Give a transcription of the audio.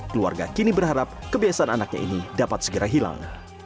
keluarga kini berharap kebiasaan anaknya ini dapat segera hilang